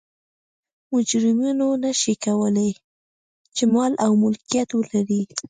مجرمینو نه شوای کولای چې مال او ملکیت ولري.